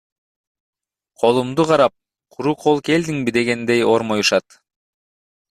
Колумду карап, куру кол келдиңби дегендей ормоюшат.